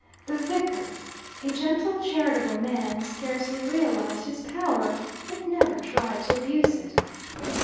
The vicar, a gentle charitable man scarcely realized his power, and never tried to abuse it.